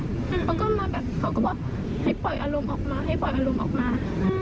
เขาก็มาแบบให้ปล่อยอารมณ์ออกมา